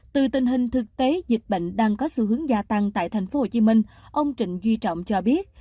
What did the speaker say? từ tình hình thực tế dịch bệnh đang có xu hướng gia tăng tại tp hcm ông trịnh duy trọng cho biết